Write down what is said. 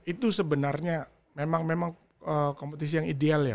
itu sebenarnya memang kompetisi yang ideal ya